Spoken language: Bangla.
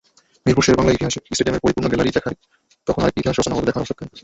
মিরপুর শেরেবাংলা স্টেডিয়ামের পরিপূর্ণ গ্যালারি তখন আরেকটি ইতিহাস রচনা হতে দেখার অপেক্ষায়।